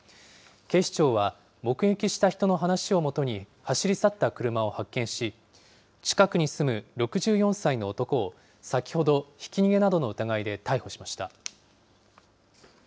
警視庁は、目撃した人の話をもとに走り去った車を発見し、近くに住む６４歳の男を先ほど、ひき逃げなどの疑いで逮捕しました。